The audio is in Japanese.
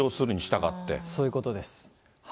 そういうことです。